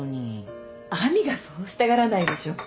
亜美がそうしたがらないでしょ。